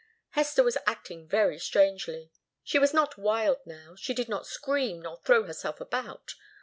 Hester was acting very strangely. She was not wild now, She did not scream nor throw herself about.